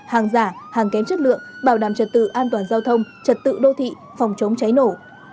hàng giả hàng kém chất lượng bảo đảm trật tự an toàn giao thông trật tự đô thị phòng chống cháy nổ